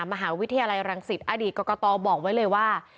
มหาวิทยาลัยรังสิตอดีตกรกตบอกไว้เลยว่า